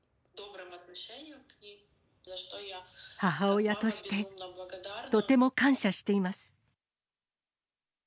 母親としてとても感謝しています。